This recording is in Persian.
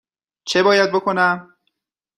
چه باید بکنم؟